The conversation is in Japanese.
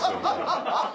ハハハハハ。